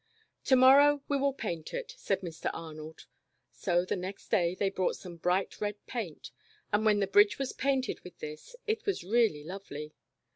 "To morrow, we will paint it," said Mr. Ar nold, so the next day they brought some bright red paint, and when the bridge was painted with this, it was really lovely.